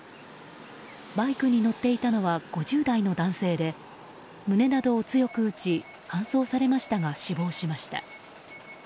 バイクに乗っていたのは５０代の男性で胸などを強く打ち搬送されましたが、死亡しました。